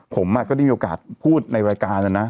ผมก็ได้มีโอกาสพูดในรายการนะนะ